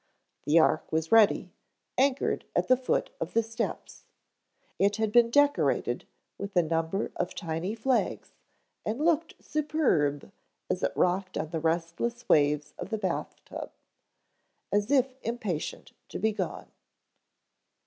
The ark was ready, anchored at the foot of the steps. It had been decorated with a number of tiny flags and looked superb as it rocked on the restless waves of the bath tub, as if impatient to be gone.